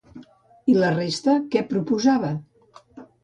I la resta què proposava?